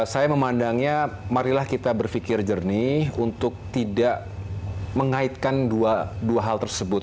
saya memandangnya marilah kita berpikir jernih untuk tidak mengaitkan dua hal tersebut